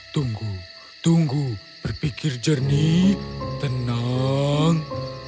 tunggu tunggu berpikir jernih tenang